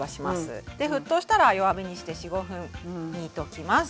で沸騰したら弱火にして４５分煮ときます。